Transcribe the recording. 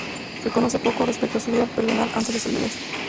Se conoce poco respecto a su vida personal antes de su viudez.